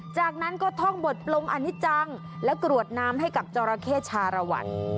จากนั้นก็ท่องบทลงอันนี้จังและกรวดน้ำให้กับจราเข้ชารวรรณ